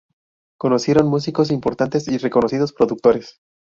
Conocieron músicos importantes y reconocidos productores.